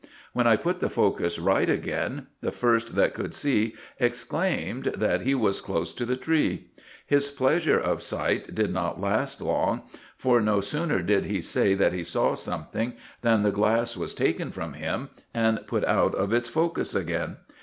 When I pvit the focus right again, the first that could see exclaimed, that he was close to the tree. His pleasure of sight did not last long, for no sooner did he say that he saw something, than the glass was taken from him, and put out of its focus again.